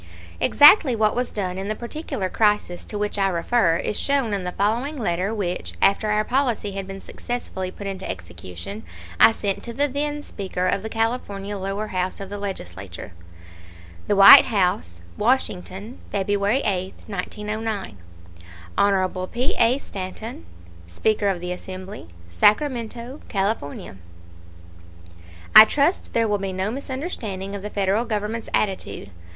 Exactly what was done in the particular crisis to which I refer is shown in the following letter which, after our policy had been successfully put into execution, I sent to the then Speaker of the California lower house of the Legislature: THE WHITE HOUSE, WASHINGTON, February 8, 1909. HON P. A. STANTON, Speaker of the Assembly, Sacramento, California: I trust there will be no misunderstanding of the Federal Government's attitude.